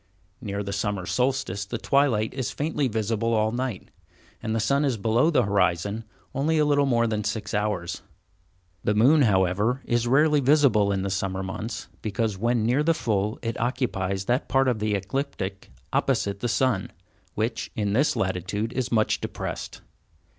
Near the summer solstice the twilight is faintly visible all night, and the sun is below the horizon only a little more than six hours. The moon, however, is rarely visible in the summer months, because when near the full it occupies that part of the ecliptic opposite the sun, which, in this latitude, is much depressed.